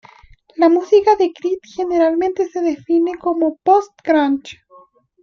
La música de Creed, generalmente, se define como "post-grunge".